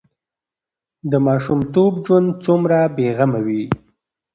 د ماشومتوب ژوند څومره بې غمه وي.